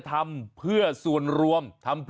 ถ้าถามผม